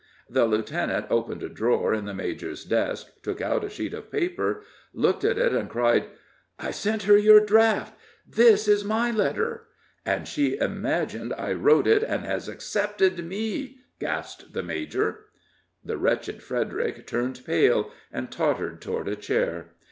The lieutenant opened a drawer in the major's desk, took out a sheet of paper, looked at it, and cried: "I sent her your draft! This is my letter!" "And she imagined I wrote it, and has accepted me!" gasped the major. The wretched Frederick turned pale, and tottered toward a chair.